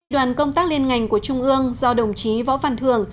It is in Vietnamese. đoàn công tác liên ngành của trung ương do đồng chí võ văn thường